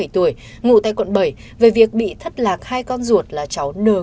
hai mươi bảy tuổi ngủ tại quận bảy về việc bị thất lạc hai con ruột là cháu nờ